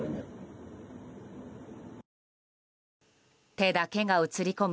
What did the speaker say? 手だけが映り込む